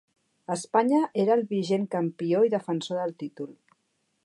Espanya era el vigent campió i defensor del títol.